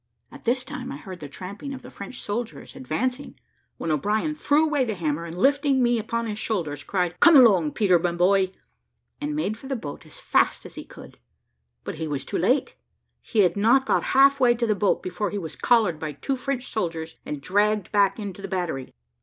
At this time I heard the tramping of the French soldiers advancing, when O'Brien threw away the hammer, and lifting me upon his shoulders, cried, "Come along, Peter, my boy," and made for the boat as fast as he could; but he was too late; he had not got half way to the boat, before he was collared by two French soldiers, and dragged back into the battery.